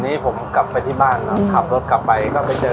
นี่ผมกลับไปที่บ้านเนอะขับรถกลับไปก็ไปเจออ้อ